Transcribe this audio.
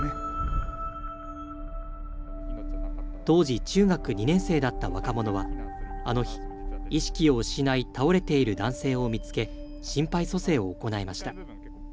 当時、中学２年生だった若者は、あの日、意識を失い倒れている男性を見つけ、心肺蘇生を行いました。